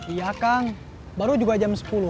iya kang baru juga jam sepuluh